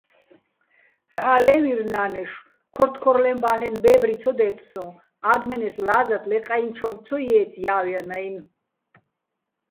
ბჵა́ ლე́ვირ ნა́ნეშო̆: ქორთქორლეჼბა́ლენო̆ ბე́ბრი ცო დე́წსოჼ, ა́დმენეს ლა́ზათ ლე ყაჲნჩოვ ცო ჲეწე̆ ჲა́ვანაჲნო̆.